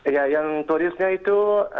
ya yang tulisnya itu